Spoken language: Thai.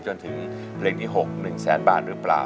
จนถึงเลขที่๖หนึ่งแสนบาทหรือเปล่า